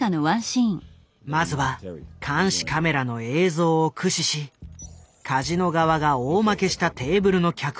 まずは監視カメラの映像を駆使しカジノ側が大負けしたテーブルの客をマーク。